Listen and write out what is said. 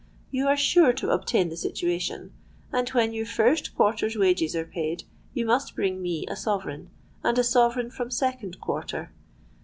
You are sure to obtain a situation; and when your first quarter's wages are paid, you must bring me a sovereign; and a sovereign from second quarter.